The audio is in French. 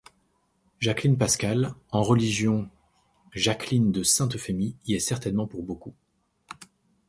Jacqueline Pascal, en religion Jacqueline de Sainte-Euphémie, y est certainement pour beaucoup.